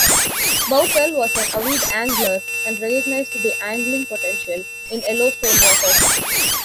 Boutelle was an avid angler and recognized the angling potential in Yellowstone waters.